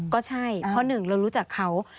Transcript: ก็ใช่เพราะหนึ่งเรารู้จักเขา